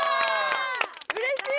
うれしい！